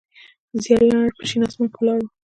زیړ لمر په شین اسمان کې ولاړ و.